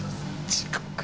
地獄。